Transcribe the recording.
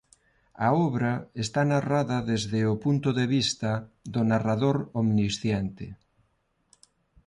A obra está narrada desde o punto de vista do narrador omnisciente.